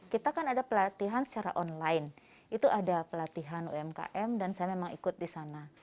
kita kan ada pelatihan secara online itu ada pelatihan umkm dan saya memang ikut di sana